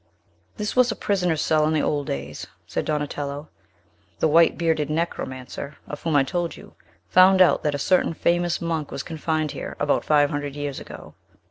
"This was a prisoner's cell in the old days," said Donatello; "the white bearded necromancer, of whom I told you, found out that a certain famous monk was confined here, about five hundred years ago.